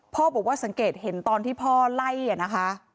พ่อบอกว่าสังเกตเห็นตอนที่พ่อไล่นะคะ